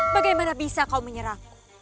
bagaimana bisa kau menyerahku